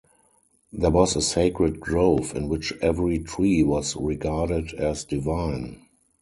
There was a sacred grove in which every tree was regarded as divine.